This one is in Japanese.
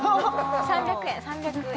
３００円３００円